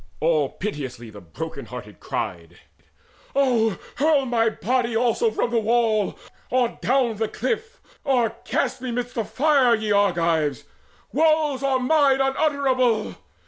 All piteously the broken hearted cried: "Oh hurl my body also from the wall, Or down the cliff, or cast me midst the fire, Ye Argives! Woes are mine unutterable!